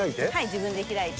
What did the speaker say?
自分で開いて。